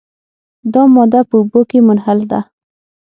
دا ماده په اوبو کې منحل ده.